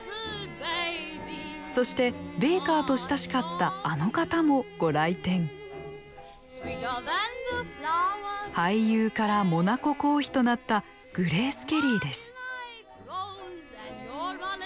そしてベーカーと親しかったあの方もご来店俳優からモナコ公妃となったグレース・ケリーです